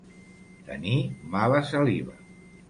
Tenir mala saliva.